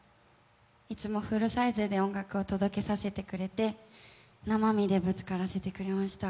いつもフルサイズで音楽を届けさせてくれて生身でぶつからせてくれました。